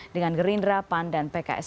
dengan gerindra pan dan pks